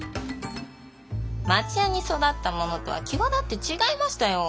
町家に育ったものとは際立って違いましたよ。